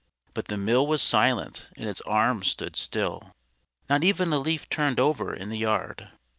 But the mill was silent and its arms stood still. Not even a leaf turned over in the yard.